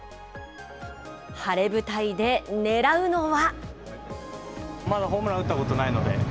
晴れ舞台で狙うのは。